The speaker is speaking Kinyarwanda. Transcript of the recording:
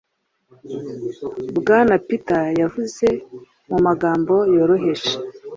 Bwana Peter yavuze mu magambo yoroheje